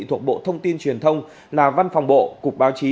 thuộc bộ thông tin truyền thông là văn phòng bộ cục báo chí